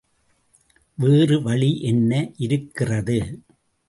வேறு வழி என்ன இருக்கிறது?